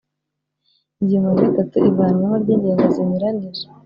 Ingingo ya gatatu Ivanwaho ry ingingo zinyuranije